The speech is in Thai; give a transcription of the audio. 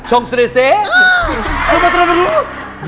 โชว์ตั้ง